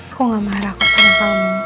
aku gak marah aku sama kamu